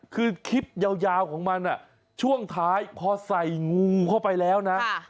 คือคลิปยาวของมันช่วงท้ายพอใส่งูเข้าไปแล้วนะ